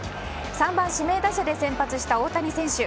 ３番指名打者で先発した大谷選手。